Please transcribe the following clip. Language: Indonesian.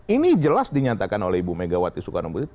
ini jelas dinyatakan oleh ibu megawati soekarno putri